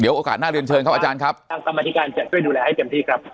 โอกาสหน้าเรียนเชิญครับอาจารย์ครับทางกรรมธิการจะช่วยดูแลให้เต็มที่ครับ